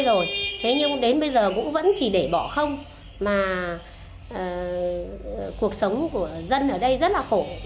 đến bây giờ vẫn chỉ để bỏ không cuộc sống của dân ở đây rất là khổ